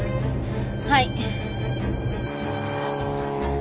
はい。